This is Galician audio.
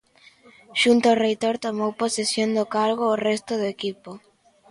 Xunto ao reitor tomou posesión do cargo o resto do equipo.